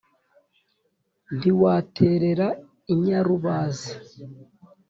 ntiwaterera inyarubaze,